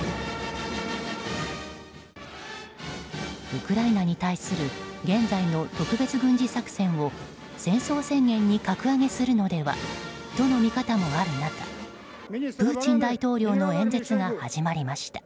ウクライナに対する現在の特別軍事作戦を戦争宣言に格上げするのではとの見方もある中プーチン大統領の演説が始まりました。